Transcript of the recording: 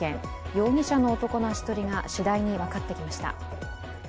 容疑者の男の足取りがしだいに分かってきました。